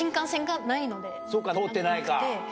そうか通ってないか。